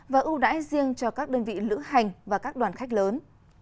và ưu đãi riêng cho các đơn vị lữ hành và các đoàn khách lớn